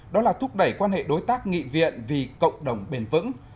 đó là thúc đẩy quan hệ đối tác nghị viện vì cộng đồng bền vững